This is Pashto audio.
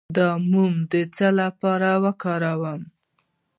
د موم د څه لپاره وکاروم؟